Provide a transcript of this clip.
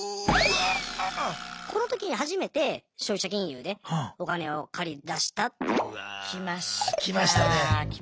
この時に初めて消費者金融でお金を借りだしたっていう。